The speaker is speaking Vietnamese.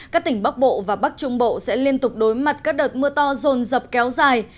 các tỉnh bắc bộ và bắc trung bộ sẽ liên tục đối mặt các đợt mưa to rồn rập kéo dài